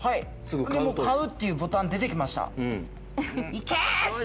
もう買うっていうボタン出てきました。